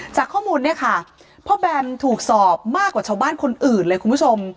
จากข้อมูลเนี่ยค่ะพ่อแบมถูกสอบมากกว่าชาวบ้านคนอื่นเลยคุณผู้ชม